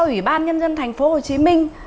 ủy ban nhân dân thành phố hồ chí minh